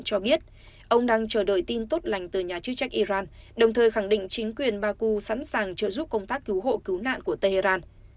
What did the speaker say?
cho biết ông đang chờ đợi tin tốt lành từ nhà chức trách iran đồng thời khẳng định chính quyền baku sẵn sàng trợ giúp công tác cứu hộ cứu nạn của tehran